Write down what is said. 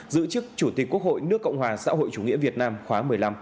giữ chức chủ tịch quốc hội nước cộng hòa xã hội chủ nghĩa việt nam khóa một mươi năm